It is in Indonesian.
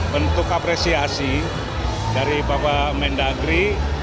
bentuk apresiasi dari bapak mendagri